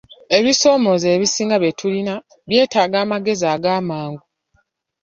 Ebisoomooza ebisinga bye tulina byetaaga amagezi agamangu.